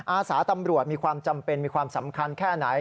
อาสาตำรวจมีความจำเป็นมีความสำคัญแค่ไหน